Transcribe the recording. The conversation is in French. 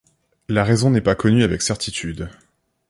La raison n'est pas connue avec certitude.